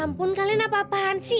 ampun kalian apa apaan sih